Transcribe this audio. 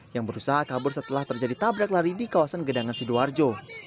yang berusaha kabur setelah terjadi tabrak lari di kawasan gedangan sidoarjo